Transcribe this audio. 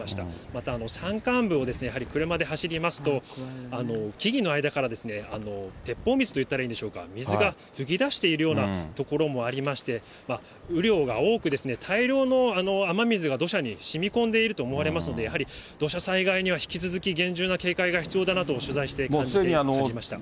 また山間部をやはり車で走りますと、木々の間からですね、鉄砲水と言ったらいいんでしょうか、水が噴き出しているような所もありまして、雨量が多く、大量の雨水が土砂にしみこんでいると思われますので、やはり土砂災害には引き続き厳重な警戒が必要だなと、取材して感じました。